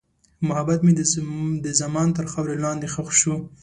محبت مې د زمان تر خاورې لاندې ښخ شو.